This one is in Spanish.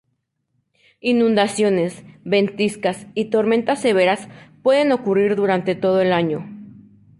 Inundaciones, ventiscas, y tormentas severas pueden ocurrir durante todo el año.